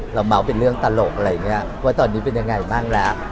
เราเมาเป็นเรื่องตลกว่าตอนนี้เป็นยังไงบ้างแล้ว